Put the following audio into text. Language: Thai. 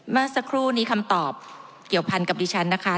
เมื่อสักครู่นี้คำตอบเกี่ยวพันกับดิฉันนะคะ